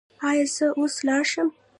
ایا زه اوس لاړ شم؟